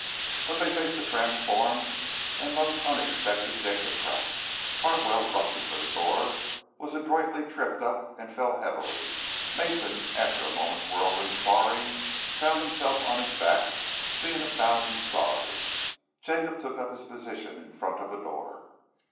But they faced a transformed and most unexpected Jacob Pratt. Hartwell, rushing for the door, was adroitly tripped up and fell heavily. Mason, after a moment's whirlwind sparring, found himself on his back, seeing a thousand stars. Jacob took up his position in front of the door.